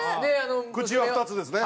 口は２つですね。